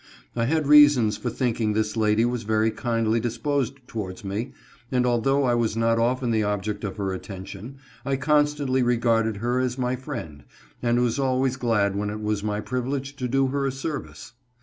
I had reasons for thinking this lady was very kindly disposed towards me, and although I was not often the object of her attention, I constantly regarded her as my friend, and was always glad when it was my privilege to do her a service.